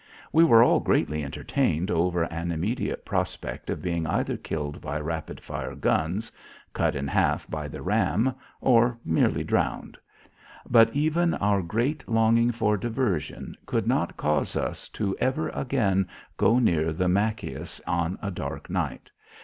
We were all greatly entertained over an immediate prospect of being either killed by rapid fire guns, cut in half by the ram or merely drowned, but even our great longing for diversion could not cause us to ever again go near the Machias on a dark night.